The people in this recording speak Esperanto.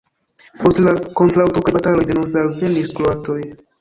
Post la kontraŭturkaj bataloj denove alvenis kroatoj.